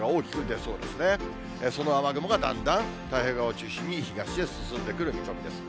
その雨雲がだんだん太平洋側を中心に、東へ進んでくる見込みです。